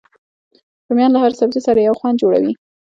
رومیان له هر سبزي سره یو خوند جوړوي